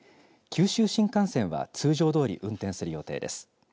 九州新幹線は通常どおり運転する予定です。